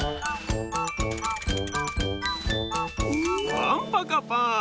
パンパカパーン！